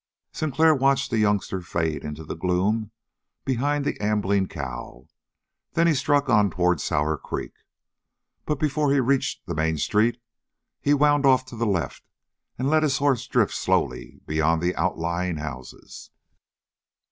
Sinclair watched the youngster fade into the gloom behind the ambling cow, then he struck on toward Sour Creek; but, before he reached the main street, he wound off to the left and let his horse drift slowly beyond the outlying houses.